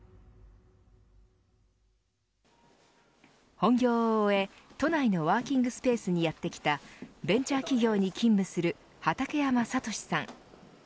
本業を終え都内のワーキングスペースにやってきたベンチャー企業に勤務する畠山怜之さん。